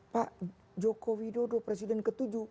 pak joko widodo presiden ke tujuh